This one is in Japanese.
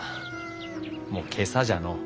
・もう今朝じゃのう。